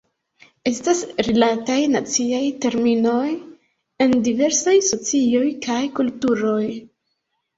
Estas rilataj naciaj terminoj en diversaj socioj kaj kulturoj.